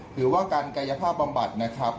หรือว่าการกายภาพบำบัดนะครับ